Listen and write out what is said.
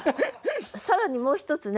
更にもう一つね